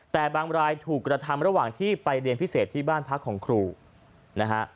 แต่บางรายถูกกระทำระหว่างที่ไปเรียนพิเศษที่บ้านพักของครูนะฮะ